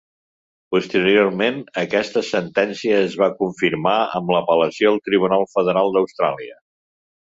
Posteriorment, aquesta sentència es va confirmar amb apel·lació al Tribunal Federal d'Austràlia.